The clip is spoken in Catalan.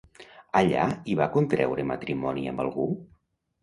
Allà hi va contreure matrimoni amb algú?